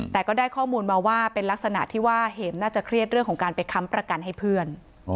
แต่ก็ได้ข้อมูลมาว่าเป็นลักษณะที่ว่าเห็มน่าจะเครียดเรื่องของการไปค้ำประกันให้เพื่อน